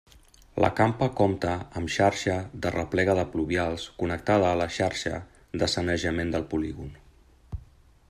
La campa compta amb xarxa d'arreplega de pluvials connectada a la xarxa de sanejament del polígon.